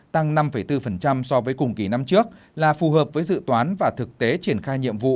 tăng năm bốn so với cùng kỳ năm trước là phù hợp với dự toán và thực tế triển khai nhiệm vụ